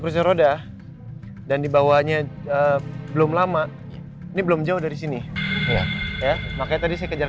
kursi roda dan dibawanya belum lama ini belum jauh dari sini ya makanya tadi saya kejar